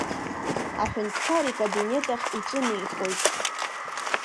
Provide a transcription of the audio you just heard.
Аҳәынҭқар икабинет ахь иҿынеихоит.